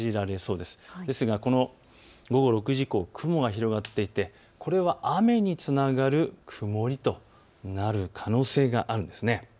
ですが午後６時以降、雲が広がってこれが雨につながる曇りとなる可能性があるんです。